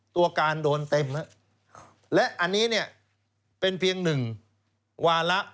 ตัวการโดนเต็มแล้ว